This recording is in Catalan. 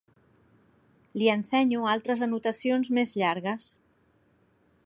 Li ensenyo altres anotacions més llargues.